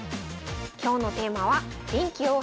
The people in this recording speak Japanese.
今日のテーマは「臨機応変！